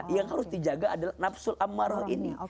yang harus dijaga adalah nafsun ammaroh ini